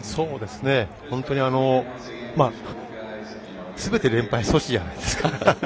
本当にすべて連敗阻止じゃないですか。